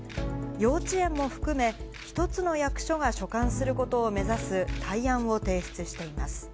幼稚園も含め、１つの役所が所管することを目指す対案を提出しています。